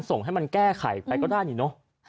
ใช่เลยครับ